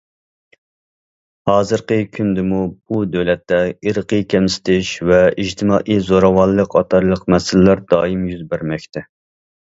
ھازىرقى كۈندىمۇ، بۇ دۆلەتتە ئىرقىي كەمسىتىش ۋە ئىجتىمائىي زوراۋانلىق قاتارلىق مەسىلىلەر دائىم يۈز بەرمەكتە.